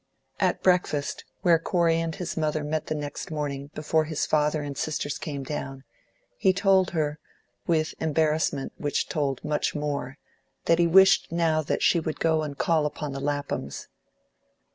At breakfast, where Corey and his mother met the next morning before his father and sisters came down, he told her, with embarrassment which told much more, that he wished now that she would go and call upon the Laphams.